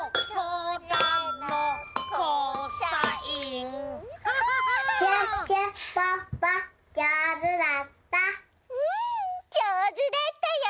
うんじょうずだったよ！